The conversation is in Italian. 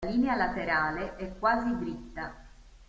La linea laterale è quasi dritta.